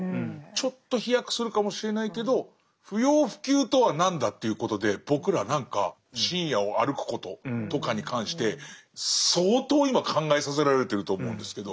ちょっと飛躍するかもしれないけど不要不急とは何だ？っていうことで僕ら何か深夜を歩くこととかに関して相当今考えさせられてると思うんですけど。